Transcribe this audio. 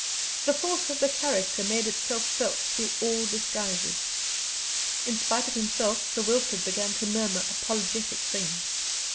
The force of the character made itself felt through all disguises. In spite of himself, Sir Wilfrid began to murmur apologetic things.